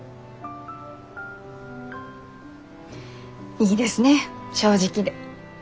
いいですね正直で。